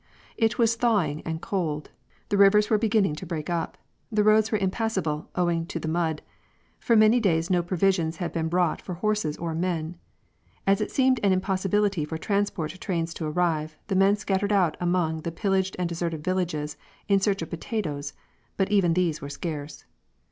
It was thawing and cold ; the rivers were beginning to break up ; the roads were impassable, owing to the mud ; for many days no provision had been brought for horses or men. 'As it seemed an impossibility for transport trains to arrive, the men scattered about among the pillaged and deserted villages in search of potatoes, but even these were scarce.